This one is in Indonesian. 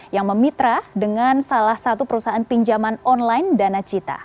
yang memitra dengan salah satu perusahaan pinjaman online danacita